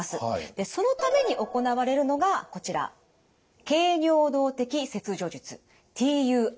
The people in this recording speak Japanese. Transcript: でそのために行われるのがこちら経尿道的切除術ＴＵＲＢＴです。